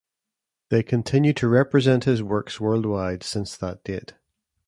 They continue to represent his works world wide since that date.